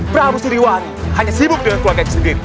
prabu siliwangi hanya sibuk dengan keluarga dia sendiri